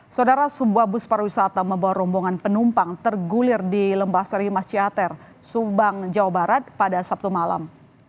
saudara sebuah bus pariwisata membawa rombongan penumpang tergulir di lembah sari mas ciater subang jawa barat pada sabtu malam